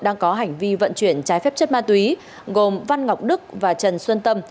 đang có hành vi vận chuyển trái phép chất ma túy gồm văn ngọc đức và trần xuân tâm